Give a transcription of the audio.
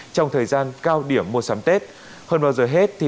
trong thời gian cao điểm mùa sắm tết